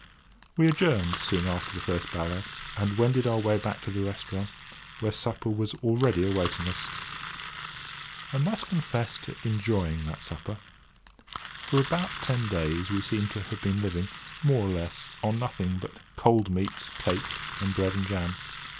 We adjourned soon after the first ballet, and wended our way back to the restaurant, where supper was already awaiting us. I must confess to enjoying that supper. For about ten days we seemed to have been living, more or less, on nothing but cold meat, cake, and bread and jam.